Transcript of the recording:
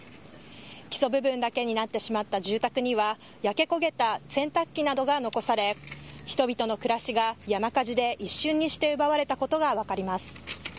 基礎部分だけになってしまった住宅には、焼け焦げた洗濯機などが残され、人々の暮らしが山火事で一瞬にして奪われたことが分かります。